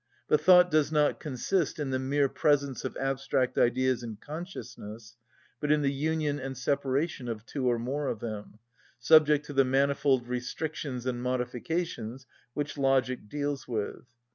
But thought does not consist in the mere presence of abstract ideas in consciousness, but in the union and separation of two or more of them, subject to the manifold restrictions and modifications which logic deals with.